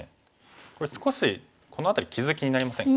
これ少しこの辺り傷が気になりません？